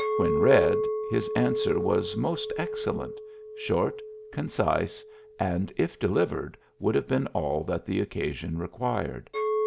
When read^ his answer ^bs most excellent, — short, concise, and, if deUvered, would have been all that the occasion required.